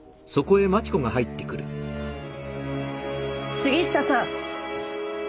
杉下さん。